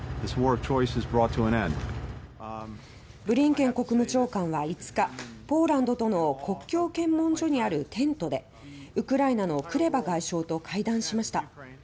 ブリンケン国務長官は５日ポーランドとの国境検問所にあるテントでウクライナのクレバ外相と会談しました。